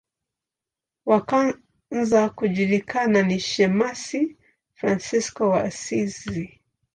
Wa kwanza kujulikana ni shemasi Fransisko wa Asizi.